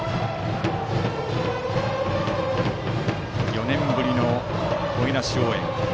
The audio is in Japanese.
４年ぶりの声出し応援。